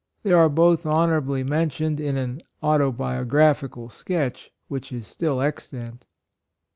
They are both honorably mention ed in an auto biographical sketch which is still extant.